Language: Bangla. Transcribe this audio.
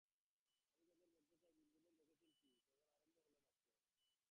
আমি তাদের বলতে চাই, বিলবোর্ডের দেখেছেন কী, কেবল আরম্ভ হলো মাত্র।